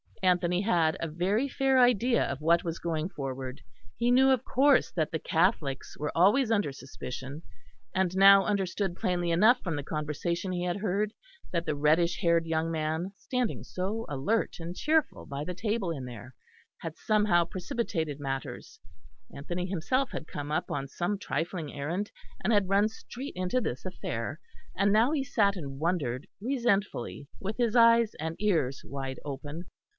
Anthony had a very fair idea of what was going forward; he knew of course that the Catholics were always under suspicion, and now understood plainly enough from the conversation he had heard that the reddish haired young man, standing so alert and cheerful by the table in there, had somehow precipitated matters. Anthony himself had come up on some trifling errand, and had run straight into this affair; and now he sat and wondered resentfully, with his eyes and ears wide open.